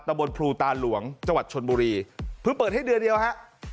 บนภูตาหลวงจังหวัดชนบุรีเพิ่งเปิดให้เดือนเดียวฮะ